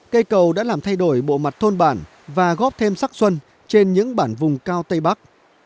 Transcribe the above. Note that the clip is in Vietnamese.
cây cầu đã làm thay đổi bộ mặt thôn bản và góp thêm sắc xuân trên những bản vùng cao tây bắc